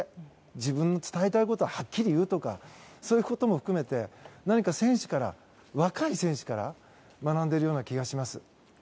自分の伝えたいことははっきり言うとかそういうことも含めて何か若い選手から学んでいるような気がします。